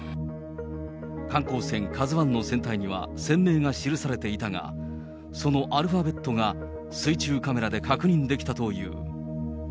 観光船カズワンの船体には、船名が記されていたが、そのアルファベットが水中カメラで確認できたという。